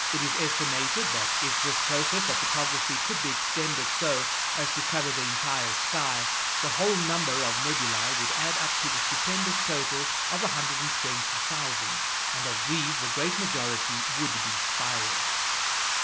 It is estimated that if this process of photography could be extended so as to cover the entire sky, the whole number of nebulæ would add up to the stupendous total of 120,000; and of these the great majority would be spiral.